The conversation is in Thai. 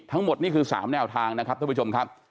ทั้งหมดนี่คือ๓แนวทางนะครับท่านผู้ชมครับ